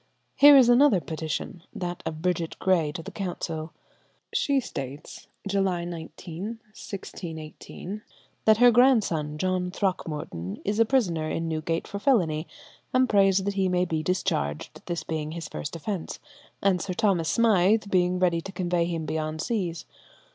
Here is another petition; that of Bridget Gray to the council. She states (July 19, 1618) that her grandson, John Throckmorton, is a prisoner in Newgate for felony, and prays that he may be discharged, this being his first offence, and Sir Thomas Smythe being ready to convey him beyond seas.